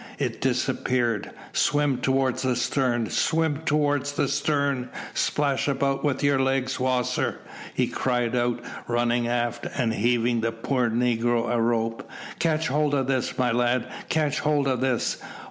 It disappeared. "Swim towards the stern! swim towards the stern! splash about with your legs, Wasser!" he cried out, running aft, and heaving the poor negro a rope. "Catch hold of this, my lad, catch hold of this!"